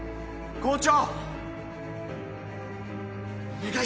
校長。